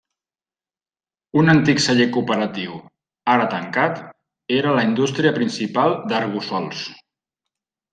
Un antic celler cooperatiu, ara tancat, era la indústria principal d'Arboçols.